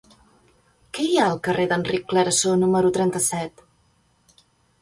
Què hi ha al carrer d'Enric Clarasó número trenta-set?